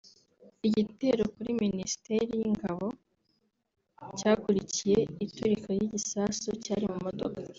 Igitero kuri Miniisteri y’Ingabo cyakurikiye iturika ry’igisasu cyari mu modoka